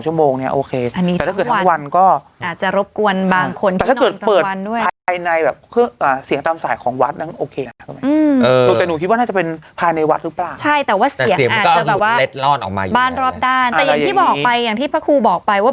ใช่แต่ว่าเสียงอาจจะแบบว่าบ้านรอบด้านแต่อย่างที่บอกไปอย่างที่พระครูบอกไปว่า